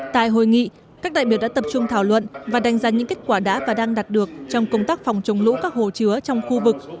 tại hội nghị các đại biểu đã tập trung thảo luận và đánh giá những kết quả đã và đang đạt được trong công tác phòng chống lũ các hồ chứa trong khu vực